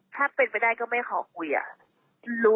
ถ้าเป็นไปได้ก็ไม่ขอคุยอะ